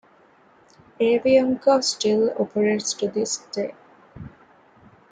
Avianca still operates to this day.